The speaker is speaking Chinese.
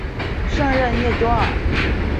圣热涅多尔。